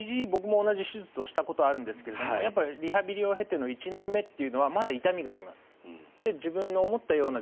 僕も同じ手術をしたことがあるんですがやっぱりリハビリを経ての１年目というのはまだ痛みがあります。